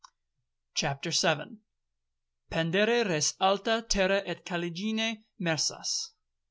CHAPTER VII Pandere res alta terrâ et caligine mersas.